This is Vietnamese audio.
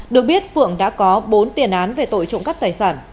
được biết phượng đã có bốn tiền án về tội trộm cắp tài sản